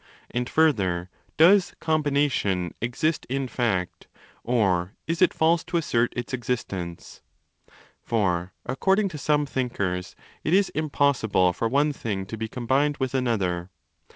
And, further, does 'combination' exist in fact, or is it false to assert its existence ? For, according to some thinkers, it is impossible for one 35 thing to be combined with another.